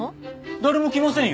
誰も来ませんよ。